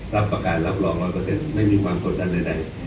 รับประการรับรองร้อยเปอร์เซ็นต์ไม่มีความกดอันนี้หน่อย